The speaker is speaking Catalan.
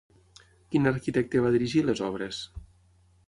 Quin arquitecte va dirigir les obres?